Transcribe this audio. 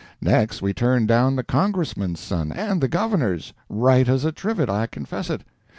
Next, we turned down the Congressman's son and the Governor's right as a trivet, I confess it.